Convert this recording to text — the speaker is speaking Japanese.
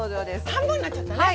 半分になっちゃったね。